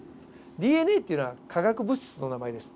ＤＮＡっていうのは化学物質の名前です。